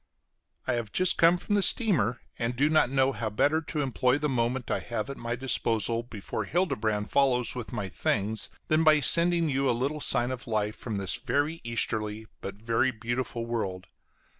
I have just come from the steamer, and do not know how better to employ the moment I have at my disposal before Hildebrand follows with my things, than by sending you a little sign of life from this very easterly but very beautiful world.